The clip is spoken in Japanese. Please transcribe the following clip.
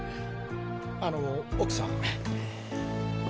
あの奥さん。